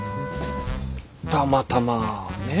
たまたまねぇ。